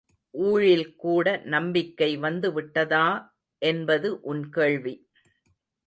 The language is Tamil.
ஊழில்கூட நம்பிக்கை வந்து விட்டதா என்பது உன் கேள்வி!